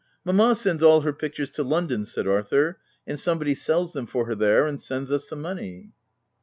" Mamma sends all her pictures to London," said Arthur ; M and somebody sells them for her there, and sends us the money.